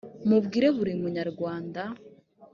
mubwire buri munyarwanda